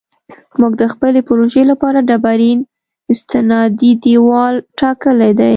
موږ د خپلې پروژې لپاره ډبرین استنادي دیوال ټاکلی دی